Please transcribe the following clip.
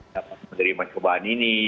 dapat menerima cobaan ini